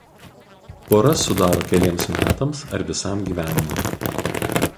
Poras sudaro keliems metams ar visam gyvenimui.